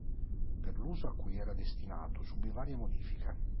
Per l'uso a cui era destinato subì varie modifiche.